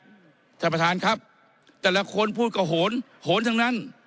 ท่านประธานครับแต่ละคนพูดก็โหนโหนทั้งนั้น